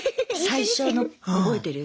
最初の覚えてる？